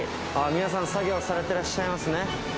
皆さん作業されてらっしゃいますね。